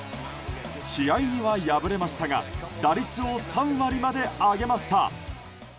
試合には敗れましたが打率を３割まで上げました。